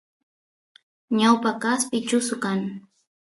ñawpa kaspi chusu kan